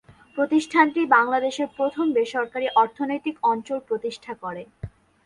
প্রতিষ্ঠানটি বাংলাদেশের প্রথম বেসরকারী অর্থনৈতিক অঞ্চল প্রতিষ্ঠা করে।